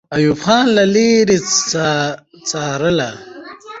ایوب خان له لرې څارله.